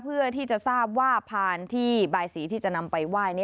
เพื่อที่จะทราบว่าพานที่บายสีที่จะนำไปไหว้